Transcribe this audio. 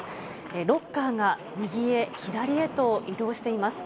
ロッカーが、右へ左へと移動しています。